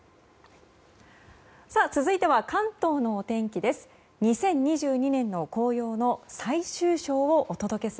続いては関東のお天気です。